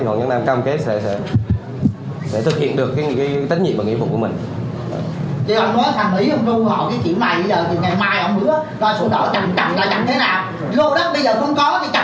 hoàng nhất nam cam kết sẽ thực hiện được cái tính nhiệm và nghĩa vụ của mình